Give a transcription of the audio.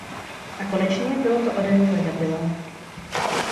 A konečně, bylo to ode mě ledabylé.